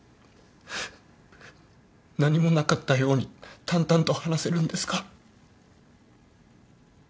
何もなかったように淡々と話せるんですか？